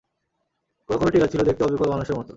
কোন কোন টিলা ছিল দেখতে অবিকল মানুষের মত।